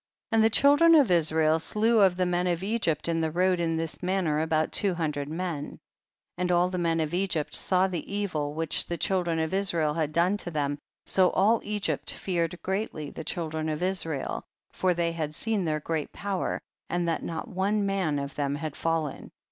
48. And the children of Israel slew of the men of Egypt in the road in this manner, about two hundred men. 49. And all the men of Egypt saw the evil which the children of Israel had done to them, so all Egypt fear THE BOOK OF JA.SHER. 205 ed greatly the children of Israel, for they had seen their great power, and that not one man of tiiem had fallen.